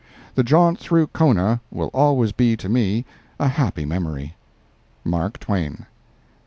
The jaunt through Kona will always be to me a happy memory. MARK TWAIN.